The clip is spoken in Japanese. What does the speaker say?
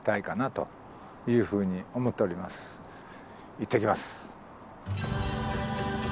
行ってきます。